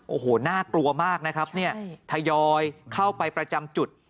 โอ้โหน่ากลัวมากนะครับเนี่ยทยอยเข้าไปประจำจุด